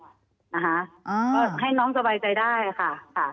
ก็ให้น้องสบายใจได้ค่ะ